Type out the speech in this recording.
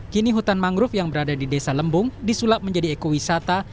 kini hutan mangrove yang berada di desa lembung disulap menjadi ekowisata